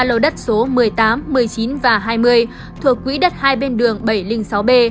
hai lô đất số một mươi tám một mươi chín và hai mươi thuộc quỹ đất hai bên đường bảy trăm linh sáu b